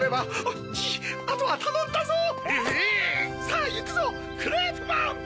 さぁいくぞクレープマン！